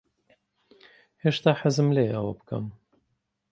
هێشتا حەزم لێیە ئەوە بکەم.